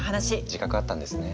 自覚あったんですね。